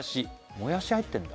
もやし入ってんだ